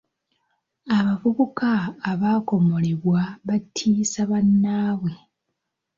Abavubuka abaakomolebwa batiisa bannaabwe.